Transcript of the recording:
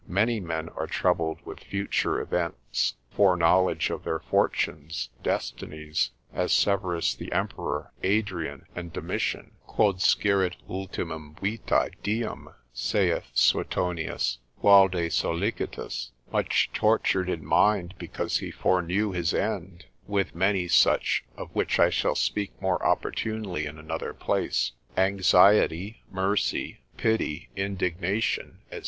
Many men are troubled with future events, foreknowledge of their fortunes, destinies, as Severus the Emperor, Adrian and Domitian, Quod sciret ultimum vitae diem, saith Suetonius, valde solicitus, much tortured in mind because he foreknew his end; with many such, of which I shall speak more opportunely in another place. Anxiety, mercy, pity, indignation, &c.